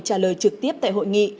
trả lời trực tiếp tại hội nghị